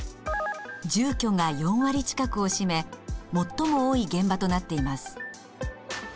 住居が４割近くを占め最も多い現場となっています。